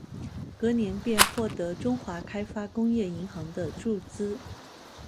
隔年便获得中华开发工业银行的注资。